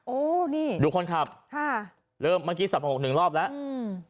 โอ้นี่ดูคนขับค่ะเริ่มเมื่อกี้สับมาหกหนึ่งรอบแล้วอืม